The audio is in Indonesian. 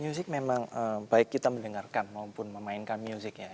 musik memang baik kita mendengarkan maupun memainkan musicnya